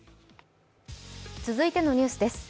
続いてのニュースです。